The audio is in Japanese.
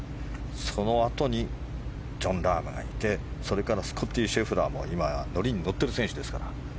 そのあとにジョン・ラームがいてそれからスコッティ・シェフラーも今、乗りに乗っている選手ですから。